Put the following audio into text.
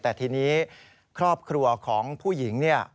แต่ทีนี้ครอบครัวของผู้หญิงเนี่ย